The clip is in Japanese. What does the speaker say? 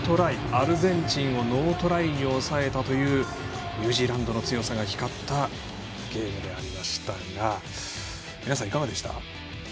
アルゼンチンをノートライに抑えたというニュージーランドの強さが光ったゲームでしたが皆さん、いかがでした？